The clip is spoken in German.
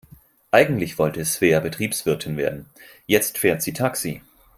Eigentlich wollte Svea Betriebswirtin werden, jetzt fährt sie Taxi.